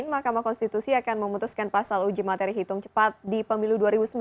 mahkamah konstitusi akan memutuskan pasal uji materi hitung cepat di pemilu dua ribu sembilan belas